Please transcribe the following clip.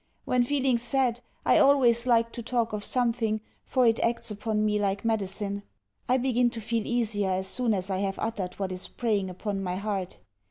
When feeling sad, I always like to talk of something, for it acts upon me like medicine I begin to feel easier as soon as I have uttered what is preying upon my heart.